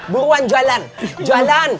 buruan jalan jalan